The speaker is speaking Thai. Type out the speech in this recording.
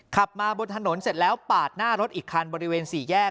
ขับมาบนถนนเสร็จแล้วปาดหน้ารถอีกคันบริเวณสี่แยก